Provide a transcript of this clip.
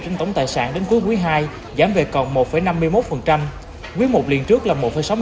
trên tổng tài sản đến cuối quý ii giảm về còn một năm mươi một quý i liên trước là một sáu mươi tám